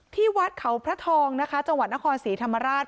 ที่วัดเขาพระทองนะคะจังหวัดนครศรีธรรมราช